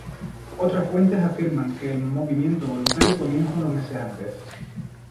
Otras fuentes afirman que el movimiento voluntario comienza unos meses antes.